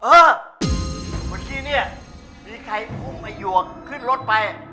เมื่อกี้เนี่ยมีใครอุ้มไอ้หยวกขึ้นรถไป